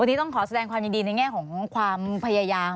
วันนี้ต้องขอแสดงความยินดีในแง่ของความพยายาม